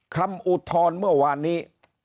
อุทธรณ์เมื่อวานนี้